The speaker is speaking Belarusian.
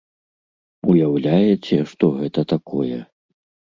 Уяўляеце, што гэта такое?!